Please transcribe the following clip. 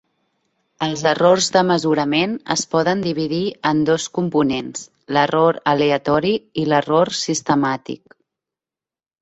Els errors de mesurament es poden dividir en dos components: l'error aleatori i l'error sistemàtic.